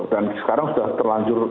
dan sekarang sudah terlanjur